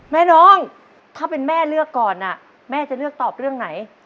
แม่น้องถ้าเป็นแม่เลือกก่อนแม่จะเลือกตอบเรื่องไหน